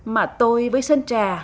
mà tôi với sân trà